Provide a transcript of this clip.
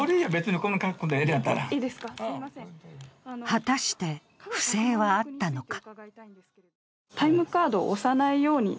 果たして不正はあったのか。